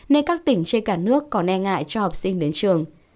nên các tỉnh trên cả nước còn e ngại cho học sinh đến trường